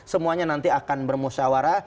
semuanya nanti akan bermusyawara